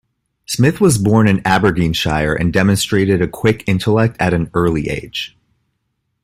Smith was born in Aberdeenshire and demonstrated a quick intellect at an early age.